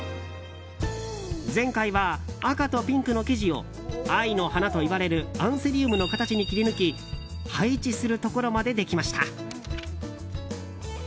前回は赤とピンクの生地を愛の花といわれるアンセリウムの形に切り抜き配置するところまでできました。